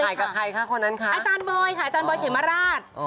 กับใครคะคนนั้นคะอาจารย์บอยค่ะอาจารย์บอยเขมราช